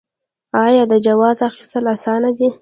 آیا د جواز اخیستل اسانه دي؟